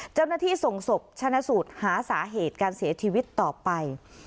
เจ้าหน้าที่ส่งศพชนะสูตรหาสาเหตุการเสียชีวิตต่อไป